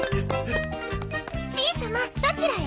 しん様どちらへ？